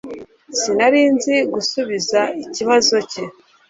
Sinari nzi gusubiza ikibazo cye